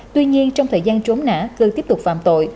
tuy nhiên trong thời gian trốn nã cư tiếp tục phạm tội